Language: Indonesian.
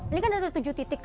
ini kan ada tujuh titik